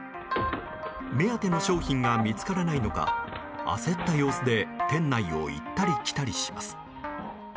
目当ての商品が見つからないのか焦った様子で店内を行ったり来たりします。